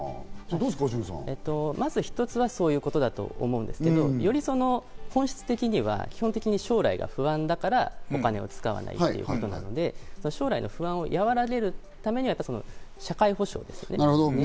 まず一つはそういうことだと思うんですけど、より本質的には基本的に将来が不安だから、お金を使わないということなので、将来の不安を和らげるために社会保障ですね。